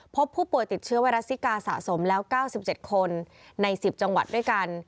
พบผู้ป่วยติดเชื้อไวรัสซิกาสะสมแล้ว๙๗คนใน๑๐จังหวัดด้วยกัน